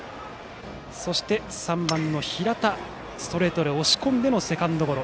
そして３番、平田にはストレートで押し込んでのセカンドゴロ。